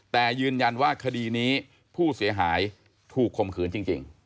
แต่ยืนยันว่าคดีนี้ผู้เสียหายถูกข่มขืนจริง